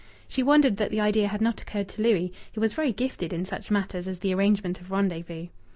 She wondered that the idea had not occurred to Louis, who was very gifted in such matters as the arrangement of rendezvous.